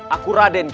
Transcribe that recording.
aku raikian santan